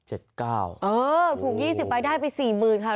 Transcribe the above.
ถูก๒๐ไปได้ไป๔๐๐๐ค่ะ